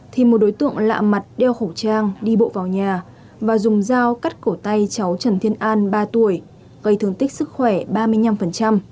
thì một đối tượng lạ mặt đeo khẩu trang đi bộ vào nhà và dùng dao cắt cổ tay cháu trần thiên an ba tuổi gây thương tích sức khỏe ba mươi năm